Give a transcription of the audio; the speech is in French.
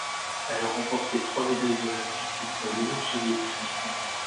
Elle a remporté trois médailles olympiques pour l'Union soviétique.